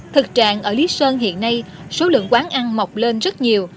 thực trạng ở lý sơn hiện nay số lượng quán ăn mọc lên rất nhiều